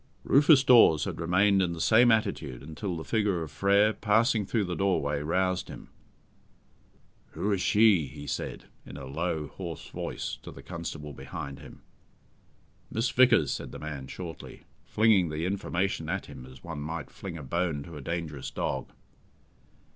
Rufus Dawes had remained in the same attitude until the figure of Frere, passing through the doorway, roused him. "Who is she?" he said, in a low, hoarse voice, to the constable behind him. "Miss Vickers," said the man shortly, flinging the information at him as one might fling a bone to a dangerous dog.